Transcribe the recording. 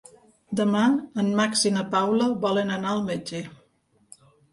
Demà en Max i na Paula volen anar al metge.